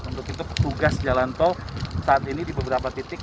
untuk itu petugas jalan tol saat ini di beberapa titik